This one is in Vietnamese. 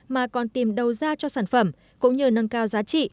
mà còn tìm đầu ra cho sản phẩm cũng như nâng cao giá trị